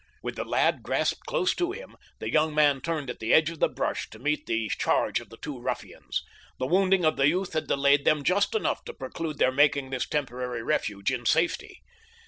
With the lad grasped close to him, the young man turned at the edge of the brush to meet the charge of the two ruffians. The wounding of the youth had delayed them just enough to preclude their making this temporary refuge in safety.